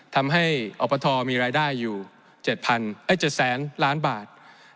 ทำให้อบทมีรายได้อยู่๗แสนล้านบาท